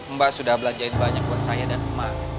mbak sudah belanjain banyak buat saya dan emak